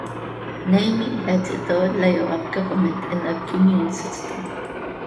Niamey has a third layer of government in the Commune system.